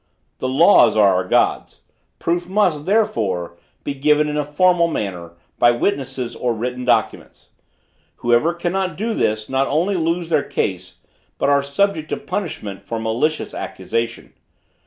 The laws are our gods. Proof must, therefore, be given in a formal manner, by witnesses or written documents. Whoever cannot do this not only lose their case, but are subject to punishment for malicious accusation.